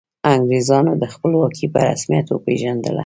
انګریزانو خپلواکي په رسمیت وپيژندله.